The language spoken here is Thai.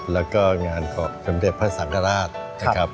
และก็งานของสมเด็จพระสังฆราช